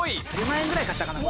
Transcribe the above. １０万円ぐらい買ったかな